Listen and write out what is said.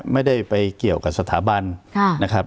ไม่ได้ไปเกี่ยวกับสถาบันนะครับ